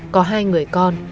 có hai người con